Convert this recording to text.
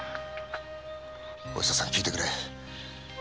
おひささん聞いてくれ。